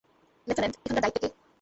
Lieutenant, এখানকার দায়িত্বে কে?